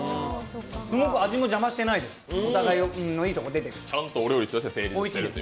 すごく味も邪魔してないです、お互いのいいところが出てる。